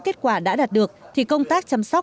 kết quả đã đạt được thì công tác chăm sóc